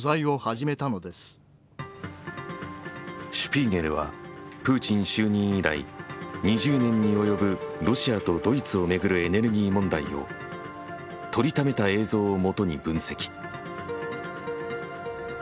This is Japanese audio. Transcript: シュピーゲルはプーチン就任以来２０年に及ぶロシアとドイツを巡るエネルギー問題を撮りためた映像をもとに分析。